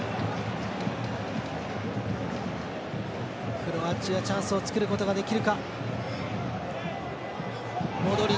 クロアチアチャンスを作ることができるか。